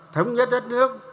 thống nhất đất nước